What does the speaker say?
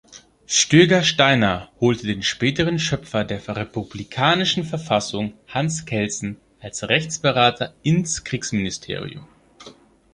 Stöger-Steiner holte den späteren Schöpfer der republikanischen Verfassung, Hans Kelsen, als Rechtsberater ins Kriegsministerium.